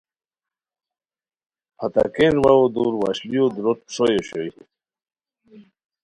پھتاکین واوو دُور وشلیو دُوروت ݰوئے اوشوئے